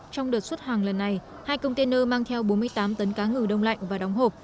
trong đợt xuất hàng lần này hai container mang theo bốn mươi tám tấn cá ngừ đông lạnh và đóng hộp